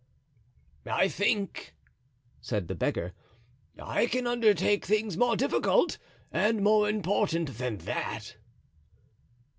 "I think," said the beggar, "I can undertake things more difficult and more important than that."